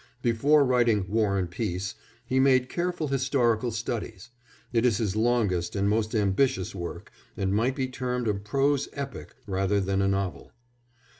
Before writing War and Peace, he made careful historical studies; it is his longest and most ambitious work, and might be termed a prose epic rather than a novel.